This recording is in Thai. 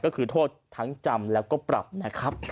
ก็คือโทษทั้งจำแล้วก็ปรับนะครับ